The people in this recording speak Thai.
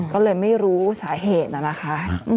ก็เลยไม่รู้สาเหตุน่ะนะคะ